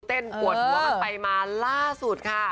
เต้นปวดว่ามันไปมาล่าสุดค่ะ